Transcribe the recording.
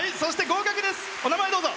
お名前、どうぞ。